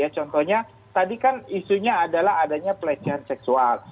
contohnya tadi kan isunya adalah adanya pelecehan seksual